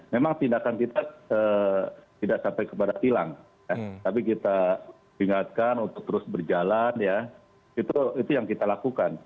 memang tindakan kita tidak sampai kepada tilang tapi kita ingatkan untuk terus berjalan ya itu yang kita lakukan